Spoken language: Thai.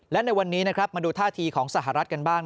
และในวันนี้นะครับมาดูท่าทีของสหรัฐกันบ้าง